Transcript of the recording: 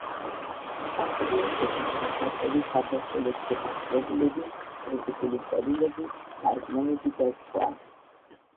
ჭანტურიას ეკუთვნის ასევე საბავშვო ლექსების კრებულები, კრიტიკული წერილები, თარგმანები და სხვა.